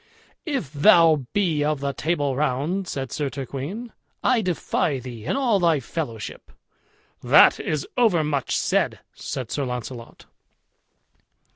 "If thou be of the Table Round," said Sir Turquine, "I defy thee and all thy fellowship." "That is overmuch said," said Sir Launcelot.